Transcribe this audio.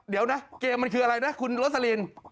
เดี๋ยวนะเกมมันคืออะไรนะคุณโรสลิน